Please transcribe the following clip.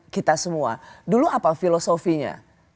kita semua dulu apa filosofinya